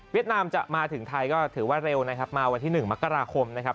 นามจะมาถึงไทยก็ถือว่าเร็วนะครับมาวันที่๑มกราคมนะครับ